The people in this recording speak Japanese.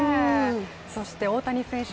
そして大谷選手